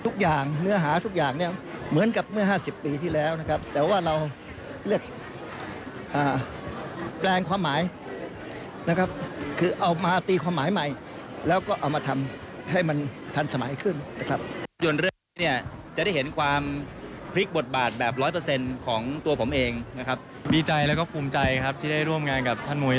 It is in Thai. คือเอามาตีความหมายใหม่แล้วก็เอามาทำ